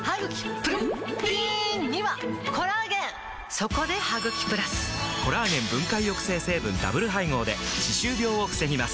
そこで「ハグキプラス」！コラーゲン分解抑制成分ダブル配合で歯周病を防ぎます